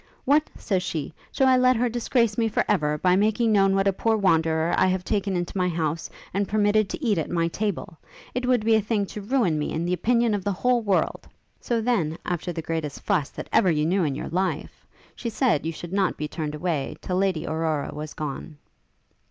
"What!" says she, "shall I let her disgrace me for ever, by making known what a poor Wanderer I have taken into my house, and permitted to eat at my table? It would be a thing to ruin me in the opinion of the whole world." So then, after the greatest fuss that ever you knew in your life, she said you should not be turned away till Lady Aurora was gone.'